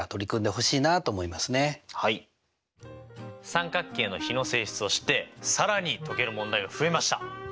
三角形の比の性質を知って更に解ける問題が増えました！